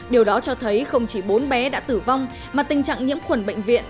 điều đó cho thấy không chỉ bốn bé đã tử vong mà tình trạng nhiễm khuẩn bệnh viện